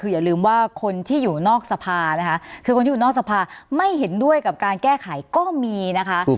คืออย่าลืมว่าคนที่อยู่นอกสภานะคะคือคนที่อยู่นอกสภาไม่เห็นด้วยกับการแก้ไขก็มีนะคะ